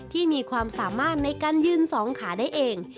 ที่มีความสามารถในการยืนสองขาได้เอง